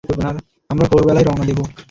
আমরা ভোরবেলায় রওনা দেব।